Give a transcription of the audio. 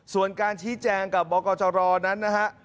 ส่วนการชี้แจงกับบกจรนั้นนะฮะ